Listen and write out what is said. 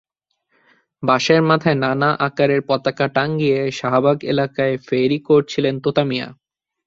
বাঁশের মাথায় নানা আকারের পতাকা টাঙিয়ে শাহবাগ এলাকায় ফেরি করছিলেন তোতা মিয়া।